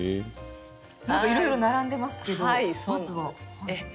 いろいろ並んでいますけどまずは。